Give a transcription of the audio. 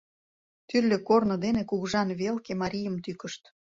Тӱрлӧ корно дене кугыжан велке марийым тӱкышт.